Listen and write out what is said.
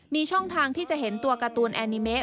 มีช่องทางที่จะเห็นตัวการ์ตูนแอนิเมะ